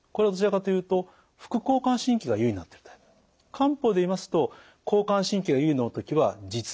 漢方でいいますと交感神経が優位の時は実。